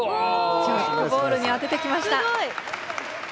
ジャックボールにあててきました。